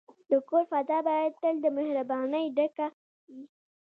د کور فضا باید تل د مهربانۍ ډکه وي.